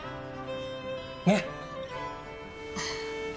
ねっ！